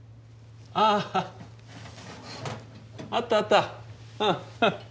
ああったあった！